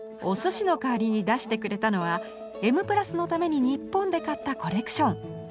お寿司の代わりに出してくれたのは「Ｍ＋」のために日本で買ったコレクション。